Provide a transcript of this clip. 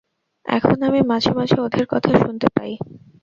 এখন আমি মাঝে-মাঝে ওদের কথা শুনতে পাই।